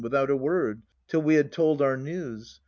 Without a word, till we had told our news.